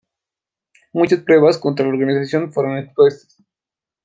Muchas pruebas contra la organización fueron expuestas.